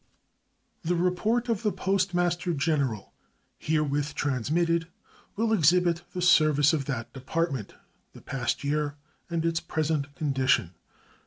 The report of the Postmaster General herewith transmitted will exhibit the service of that Department the past year and its present condition.